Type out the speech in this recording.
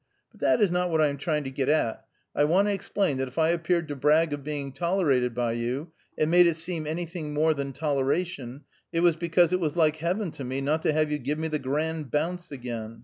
But that is not what I am trying to get at; I want to explain that if I appeared to brag of being tolerated by you, and made it seem any thing more than toleration, it was because it was like heaven to me not to have you give me the grand bounce again.